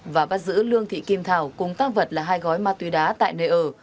và bắt giữ lương thị kim thảo cùng tăng vật là hai gói ma túy đá tại nơi ở